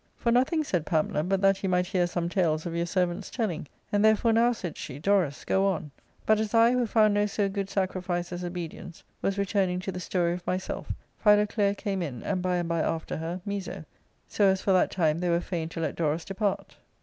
" For nothing," said Pamela, " but that ye might, heai: some tales of your servant's telling ; and therefore now,'* said she, " Dorus, go on." But asj, who found no so good sacrifice as obedience, was "returning to the story of myself, Philoclea came in, and by and by after her, Miso : so as for that time they were fain to let Dorus depart.